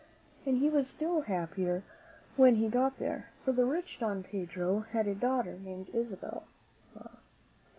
And he was still happier when he got there; for the rich Don Pedro had a daughter named Isabella.